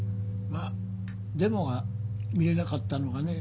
まあデモが見れなかったのがね